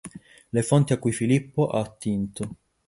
Le fonti a cui Filippo ha attinto.